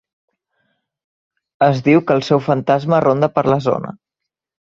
Es diu que el seu fantasma ronda per la zona.